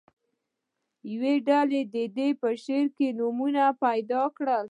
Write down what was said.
یوه ډله دې په شعر کې نومونه پیدا کړي.